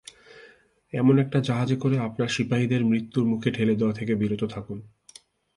এমন একটা জাহাজে করে আপনার সিপাহীদের মৃত্যুর মুখে ঠেলে দেয়া থেকে বিরত থাকুন।